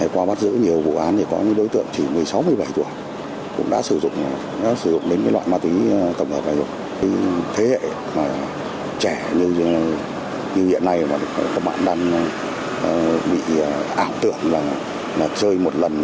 qua bắt giữ nhiều vụ án thì có những đối tượng chỉ một mươi sáu một mươi bảy tuổi cũng đã sử dụng đến loại ma túy tổng hợp này rồi